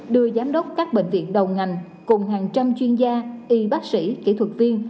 đưa giám đốc các bệnh viện đầu ngành cùng hàng trăm chuyên gia y bác sĩ kỹ thuật viên